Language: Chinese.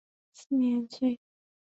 四年卒。